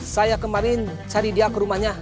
saya kemarin cari dia ke rumahnya